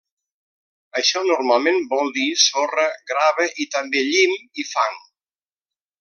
Això normalment vol dir sorra, grava i també llim i fang.